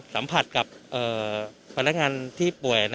สัมผัสกับพนักงานที่ป่วยนะครับ